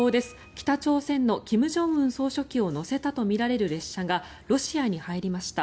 北朝鮮の金正恩総書記を乗せたとみられる列車がロシアに入りました。